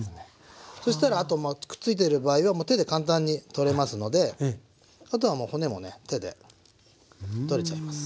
そしたらあとまあくっついてる場合はもう手で簡単に取れますのであとはもう骨もね手で取れちゃいます。